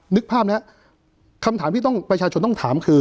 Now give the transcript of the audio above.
นึกภาพนะครับคำถามที่ต้องประชาชนต้องถามคือ